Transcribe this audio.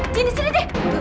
sini sini deh